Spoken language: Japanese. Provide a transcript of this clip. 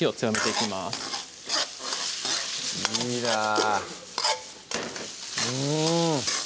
いいなぁ